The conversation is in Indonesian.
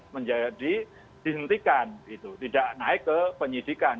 menjadi dihentikan tidak naik ke penyidikan